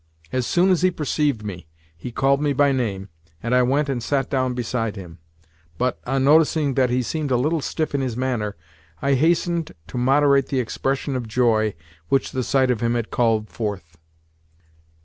As soon as he perceived me, he called me by name, and I went and sat down beside him; but, on noticing that he seemed a little stiff in his manner, I hastened to moderate the expression of joy which the sight of him had called forth.